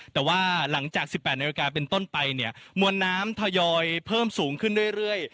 แต่ว่าหลังจาก๑๘นาฬิกาเป็นต้นไปเนี่ยมวลน้ำทยอยเพิ่มสูงขึ้นเรื่อย